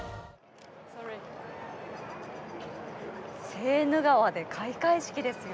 セーヌ川で開会式ですよ。